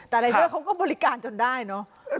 แต่รายเดอร์เขาก็บริการจนได้เนอะ